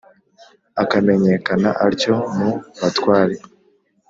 akamenyekana atyo mu batware.